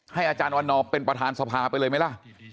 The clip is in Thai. อาจารย์วันนอร์เป็นประธานสภาไปเลยไหมล่ะ